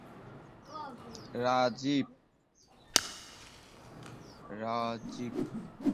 George Bernard Shaw' এবং William Shakespeare সম্পর্কে তার মূল্যবান সমালোচনা ইংরেজি সাহিত্যের মনীষী মহলে প্রশংসিত।